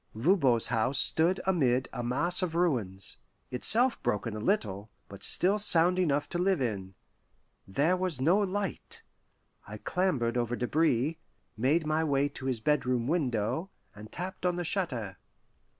Voban's house stood amid a mass of ruins, itself broken a little, but still sound enough to live in. There was no light. I clambered over debris, made my way to his bedroom window, and tapped on the shutter.